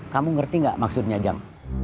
kamu ngerti gak maksudnya jam